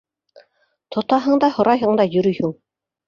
— Тотаһың да һорайһың да йөрөйһөң.